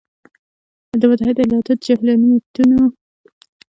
د متحد ایالاتو د جهیلونو موقعیت په نقشې کې وټاکئ.